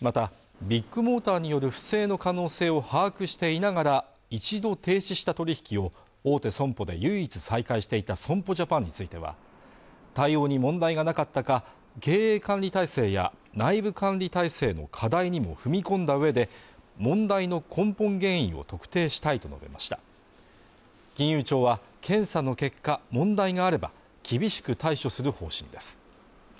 またビッグモーターによる不正の可能性を把握していながら１度停止した取引を大手損保で唯一再開していた損保ジャパンについては対応に問題がなかったか経営管理体制や内部管理体制の課題にも踏み込んだうえで問題の根本原因を特定したいと述べました金融庁は検査の結果問題があれば厳しく対処する方針です